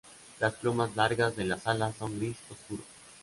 Las plumas largas de las alas son gris oscuro.